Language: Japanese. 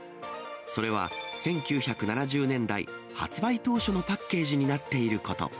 それは、１９７０年代、発売当初のパッケージになっていること。